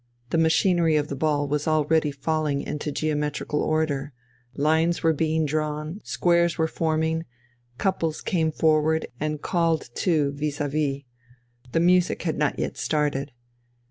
The machinery of the ball was already falling into geometrical order. Lines were being drawn, squares were forming, couples came forward and called to vis à vis. The music had not yet started.